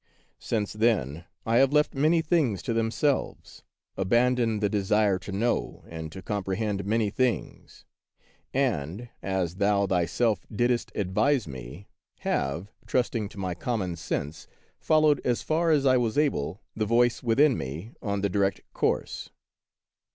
Since then I have left many things to them selves ; abandoned the desire to know and to comprehend many things; and, as thou thyself didst advise me, have, trusting to my common sense, followed as far as I was able the voice within me on the direct course.